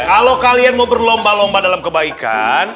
kalau kalian mau berlomba lomba dalam kebaikan